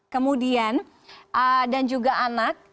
kemudian dan juga anak